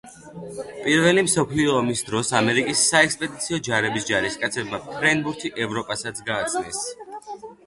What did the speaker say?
პირველი მსოფლიო ომის დროს ამერიკის საექსპედიციო ჯარების ჯარისკაცებმა ფრენბურთი ევროპასაც გააცნეს